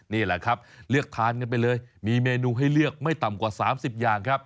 นี่แหละครับเลือกทานกันไปเลยมีเมนูให้เลือกไม่ต่ำกว่า๓๐อย่างครับ